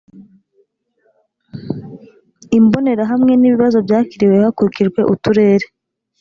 imbonerahamwe n ibibazo byakiriwe hakurikijwe uturere